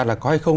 là có hay không